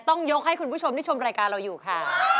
ต้องยกให้คุณผู้ชมที่ชมรายการเราอยู่ค่ะ